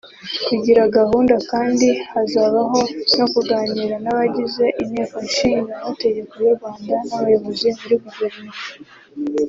Kuri gahunda kandi hazababaho no kuganira n’abagize Inteko Ishinga Amategeko y’u Rwanda n’abayobozi muri Guverinoma